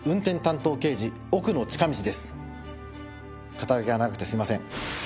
肩書が長くてすいません。